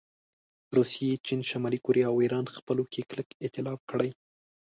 روسیې، چین، شمالي کوریا او ایران خپلو کې کلک ایتلاف کړی